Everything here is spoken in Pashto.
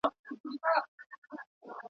په قبرو کي د وطن په غم افګار یو.